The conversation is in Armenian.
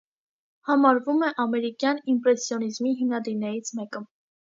Համարվում է ամերիկյան իմպրեսիոնիզմի հիմնադիրներից մեկը։